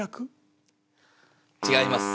違います。